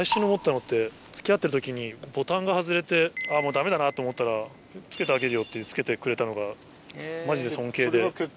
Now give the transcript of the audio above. ボタンが外れて「あぁもうダメだな」と思ったら「付けてあげるよ」って付けてくれたのがマジで尊敬で。